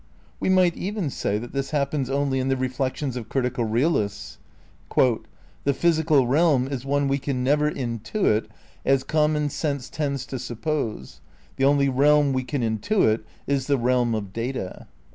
We might even say that this happens only in the reflections of critical realists. "The physical realm is one we can never intuit as common sense tends to suppose; the only realm we can intuit is the realm of data."